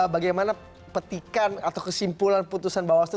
bagaimana petikan atau kesimpulan putusan bawaslu